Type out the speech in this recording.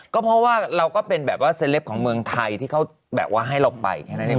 ก็เพราะว่าเราก็เป็นแบบว่าเซลปของเมืองไทยที่เขาแบบว่าให้เราไปแค่นั้นเอง